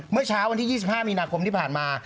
เมื่อเช้าวันที่๒๕มีนาคมที่ผ่านมา